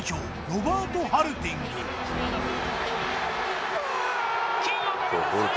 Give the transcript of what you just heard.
ロバート・ハルティングウオー！